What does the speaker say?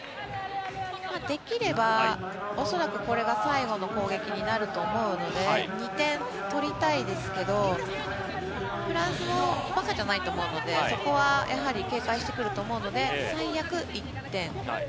できれば、恐らくこれが最後の攻撃になると思うので、２点取りたいですけど、フランスもばかじゃないと思うので、そこはやはり計算してくると思うので、最悪１点。